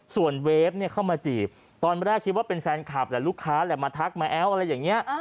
ส่วนเวฟเข้ามาจีบตอนแรกคิดว่าเป็นแฟนคับลูกค้ามาทักมาแอ้วอะไรอย่างนี้